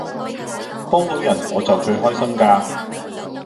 幫倒人我就最開心㗎